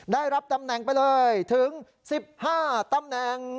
ได้รับตำแหน่งไปเลยถึง๑๕ตำแหน่ง